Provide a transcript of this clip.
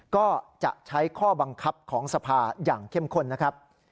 ก็จะใช้ข้อบังคับของสภาอย่างเข้มข้นนะครับ